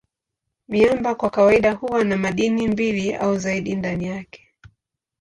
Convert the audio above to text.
Miamba kwa kawaida huwa na madini mbili au zaidi ndani yake.